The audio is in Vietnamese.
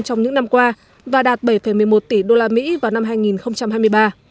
trong những năm qua và đạt bảy một mươi một tỷ usd vào năm hai nghìn hai mươi ba